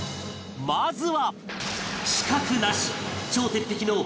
まずは